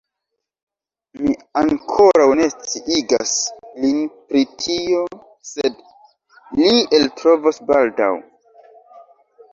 Mi ankoraŭ ne sciigas lin pri tio sed li eltrovos baldaŭ